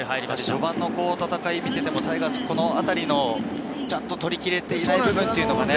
序盤の戦いを見ていてもタイガース、このあたりの取りきれていない部分というのがね。